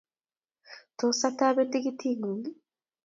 Tos atapen tikitit ng`ung?